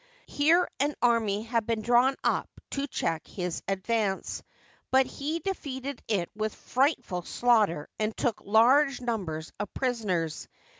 Here an army had been drawn up to check his advance, but he defeated it with frightful slaughter and took large numbers of prisoners.